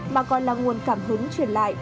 mà còn là nguồn cảm hứng truyền lại